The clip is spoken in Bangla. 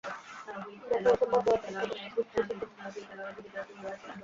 দেখ, এসব বাদ দেওয়ার চেষ্টা কর, বুঝছিসই তো।